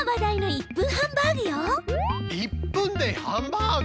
１分でハンバーグ？